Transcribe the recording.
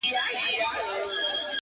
انارکلي! دا مرغلري اوښکي چاته ور وړې؟!